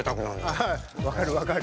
ああ分かる分かる。